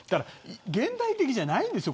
現代的じゃないんですよ